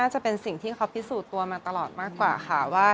จะเป็นสิ่งที่เขาพิสูจน์ตัวมาตลอดมากกว่าค่ะว่า